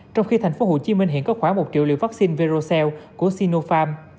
trong khi tp hcm hiện có khoảng một triệu liều vaccine verocell của sinopharm